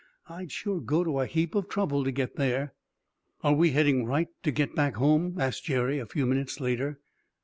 I'd sure go to a heap of trouble to get there." "Are we heading right to get back home?" asked Jerry, a few minutes later.